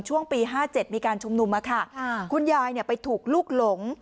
ช่วงปีห้าเจ็ดมีการชุมนุมอะค่ะค่ะคุณยายเนี้ยไปถูกลูกหลง